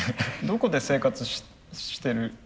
どこで生活してる。